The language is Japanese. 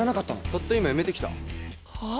たった今辞めてきたはあ？